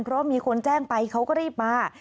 เพราะมีคนแจ้งไปเขาก็รีบมา